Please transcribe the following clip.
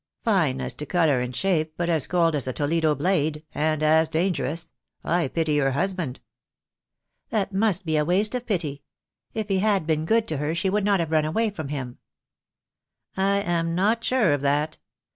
"Fine as to colour and shape, but as cold as a Toledo blade — and as dangerous. I pity her husband." "That must be a waste of pity. If he had been good to her she would not have run away from him," "I am not sure of that.